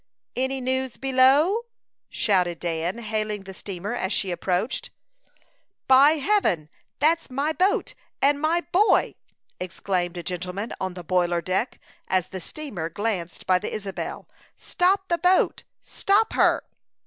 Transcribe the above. "Any news below?" shouted Dan, hailing the steamer as she approached. "By Heaven! that's my boat and my boy!" exclaimed a gentleman on the boiler deck, as the steamer glanced by the Isabel. "Stop the boat! Stop her!"